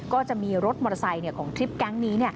ก็จะมีรถมอเตอร์ไซค์ของทริปแก๊งนี้